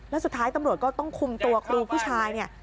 แล้วสุดท้ายตำรวจก็ต้องคุมตัวครูผู้ชายเนี่ย